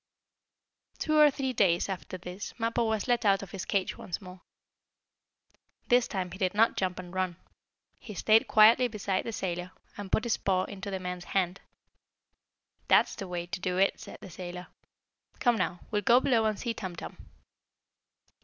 Two or three days after this Mappo was let out of his cage once more. This time he did not jump and run. He stayed quietly beside the sailor, and put his paw into the man's hand. "That's the way to do it," said the sailor. "Come now, we'll go below and see Tum Tum."